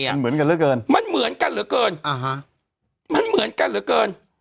มันเหมือนกันเหลือเกินมันเหมือนกันเหลือเกินอ่าฮะมันเหมือนกันเหลือเกิน